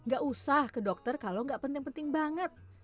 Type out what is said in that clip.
gak usah ke dokter kalau gak penting penting banget